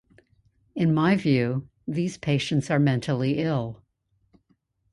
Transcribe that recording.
In my view, these patients are mentally ill.